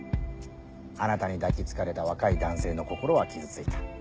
あなたに抱き付かれた若い男性の心は傷ついた。